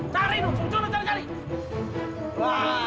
tuh lama gua ketok loh